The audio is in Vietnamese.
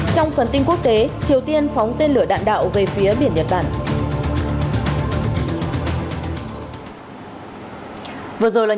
trong phần tin quốc tế triều tiên phóng tên lửa đạn đạo về phía biển nhật bản